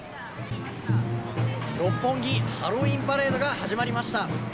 六本木ハロウィーンパレードが始まりました。